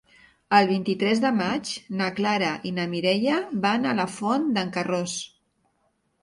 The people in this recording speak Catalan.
El vint-i-tres de maig na Clara i na Mireia van a la Font d'en Carròs.